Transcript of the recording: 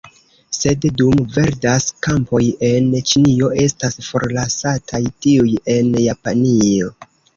Sed, dum verdas kampoj en Ĉinio, estas forlasataj tiuj en Japanio.